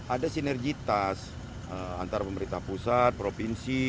ada sinergitas antara pemerintah pusat provinsi